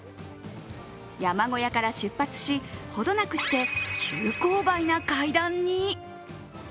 山小屋から出発し程なくして急勾配な階段に。